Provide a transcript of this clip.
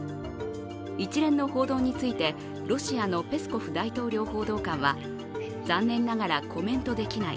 一連の報道について、ロシアのペスコフ大統領報道官は残念ながらコメントできない。